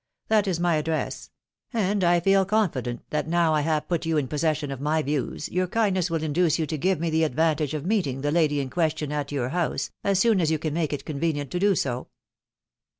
That is my address; and I feel confident that now I have put you in possession of my views, your kindness will induce you to give me the advantage of meeting the lady in question at your house, as soon as you can make it convenient to do so."